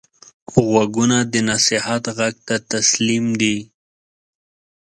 غوږونه د نصیحت غږ ته تسلیم دي